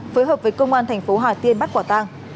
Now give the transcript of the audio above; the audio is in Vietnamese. phối hợp với công an thành phố hà tiên bắt quả tang